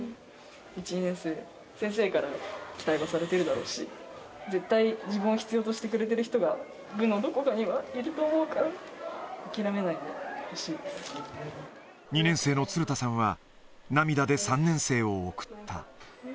１、２年生、先生からも期待はされているだろうし、絶対、自分を必要としてくれてる人が、部のどこかにはいると思うから、諦めないでほしいで２年生の鶴田さんは、涙で３年生を送った。